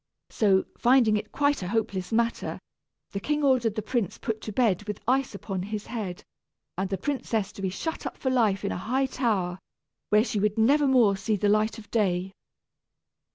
So, finding it quite a hopeless matter, the king ordered the prince put to bed with ice upon his head, and the princess to be shut up for life in a high tower, where she would never more see the light of day.